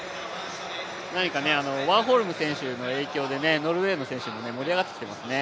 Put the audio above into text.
何か、ワーホルム選手の影響でノルウェーの選手も盛り上がってきていますよね。